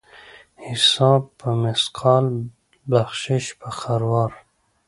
حساب په مثقال ، بخشش په خروار.